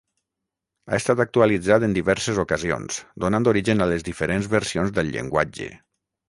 Ha estat actualitzat en diverses ocasions, donant origen a les diferents versions del llenguatge.